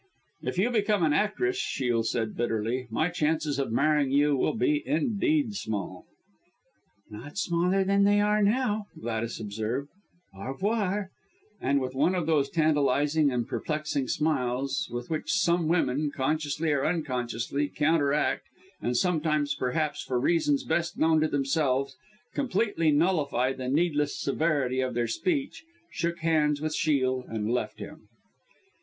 "If you become an actress," Shiel said bitterly, "my chances of marrying you will indeed be small." "Not smaller than they are now," Gladys observed. "Au revoir." And with one of those tantalising and perplexing smiles, with which some women, consciously or unconsciously, counteract and sometimes, perhaps, for reasons best known to themselves completely nullify the needless severity of their speech, shook hands with Shiel, and left him.